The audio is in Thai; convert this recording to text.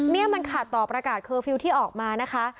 นี่มันขาดต่อประกาศเคอร์ฟิลล์ที่ออกมานะคะ